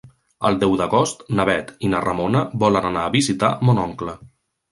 El deu d'agost na Bet i na Ramona volen anar a visitar mon oncle.